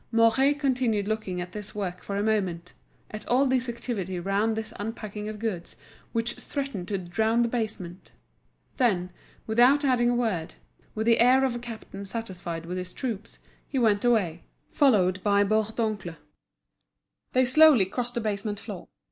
Mouret continued looking at this work for a moment, at all this activity round this unpacking of goods which threatened to drown the basement; then, without adding a word, with the air of a captain satisfied with his troops, he went away, followed by Bourdoncle. They slowly crossed the basement floor.